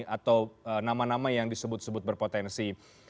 atau nama nama yang disebut sebut berpotensi